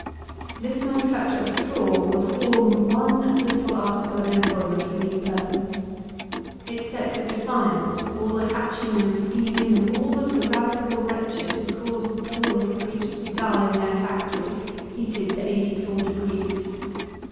This manufacture of Straw will form one little article of employment for these persons. It sets at defiance all the hatching and scheming of all the tyrannical wretches who cause the poor little creatures to die in their factories, heated to eighty four degrees.